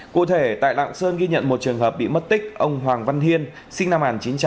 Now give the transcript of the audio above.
cụ thể tại lạng sơn ghi nhận một trường hợp bị mất tích ông hoàng văn hiên sinh năm một nghìn chín trăm tám mươi